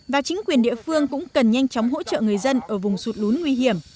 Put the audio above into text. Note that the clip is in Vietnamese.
và chính quyền địa phương cũng cần nhanh chóng hỗ trợ người dân ở vùng sụt lún nguy hiểm